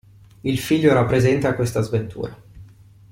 Il figlio era presente a questa sventura.